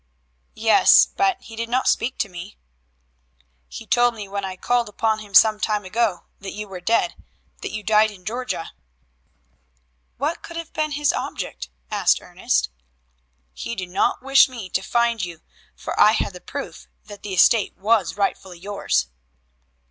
"Yes, but he did not speak to me." "He told me when I called upon him some time ago that you were dead that you died in Georgia." "What could have been his object?" "He did not wish me to find you, for I had the proof that the estate was rightfully yours."